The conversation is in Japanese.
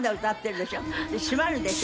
で閉まるでしょ。